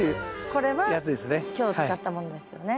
これは今日使ったものですよね。